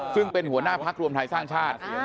ซึ่งเป็นหัวหน้าพักรวมไทยสร้างชาติ